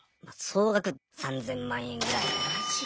総額３０００万円ぐらい。